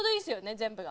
全部が。